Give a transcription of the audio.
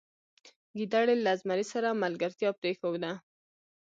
ګیدړې له زمري سره ملګرتیا پریښوده.